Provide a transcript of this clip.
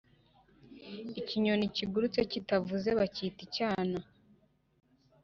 Ikinyoni kigurutse kitavuze bakita icyana